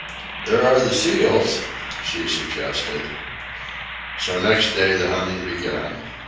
"There are the seals," she suggested. So next day the hunting began.